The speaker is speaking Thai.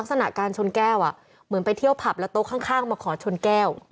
ลักษณะการชนแก้วเหมือนไปเที่ยวผับแล้วโต๊ะข้างมาขอชนแก้ว